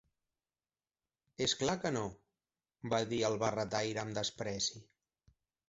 "És clar, que no!", va dir el barretaire amb despreci.